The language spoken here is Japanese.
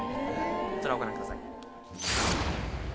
こちらをご覧ください。